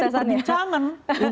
ya dia jadi perbincangan